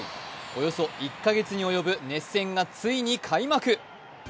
およそ１か月に及ぶ熱戦がついに開幕。